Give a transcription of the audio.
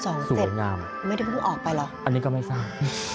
สองเจ็ดไม่ได้พูดออกไปหรออันนี้ก็ไม่ทราบ